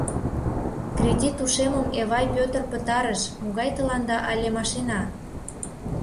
— Кредит ушемым Эвай Пӧтыр пытарыш, могай тыланда але машина?!